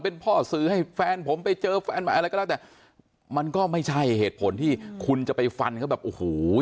เป็นพ่อสื่อให้แฟนผมไปเจอแฟนใหม่อะไรก็แล้วแต่มันก็ไม่ใช่เหตุผลที่คุณจะไปฟันเขาแบบโอ้โห